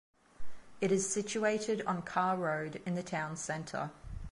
It is situated on Carr Road in the town centre.